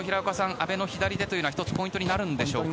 阿部の左手というのは１つ、ポイントになるんでしょうか。